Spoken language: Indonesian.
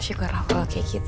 syukurlah kalau kayak gitu